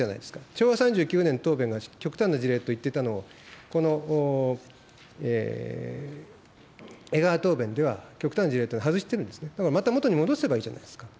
昭和３９年答弁が極端な事例と言っていたのを、この江川答弁では、極端な事例というのは外してるんですね、だからまた元に戻せばいいじゃないですか。